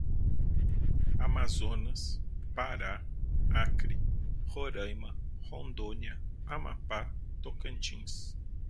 Amazonas, Pará, Acre, Roraima, Rondônia, Amapá, Tocantins